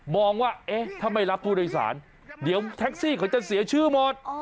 ว่าเอ๊ะถ้าไม่รับผู้โดยสารเดี๋ยวแท็กซี่เขาจะเสียชื่อหมด